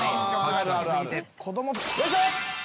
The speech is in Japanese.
・よいしょ。